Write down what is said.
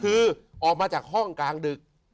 คือออกมาจากห้องกลางดึก